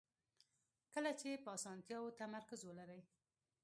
کله چې په اسانتیاوو تمرکز ولرئ.